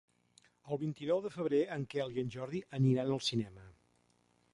El vint-i-nou de febrer en Quel i en Jordi aniran al cinema.